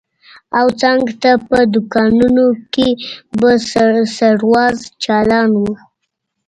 او څنگ ته په دوکانونو کښې به سروذ چالان و.